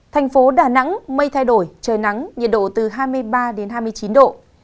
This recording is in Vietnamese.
thành phố đà nẵng mây thay đổi trời nắng nhiệt độ từ hai mươi ba đến hai mươi chín độ